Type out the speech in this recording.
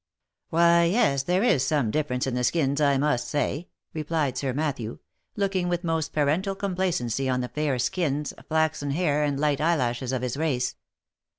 " Why yes, there is some difference in the skins I must say," re plied Sir Matthew, looking with most parental complacency on the fair skins, flaxen hair, and light eyelashes of his race.